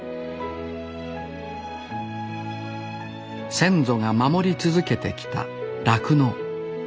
先祖が守り続けてきた酪農。